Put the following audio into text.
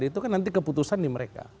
itu kan nanti keputusan di mereka